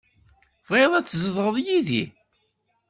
Bɣiɣ ad tzedɣeḍ yid-i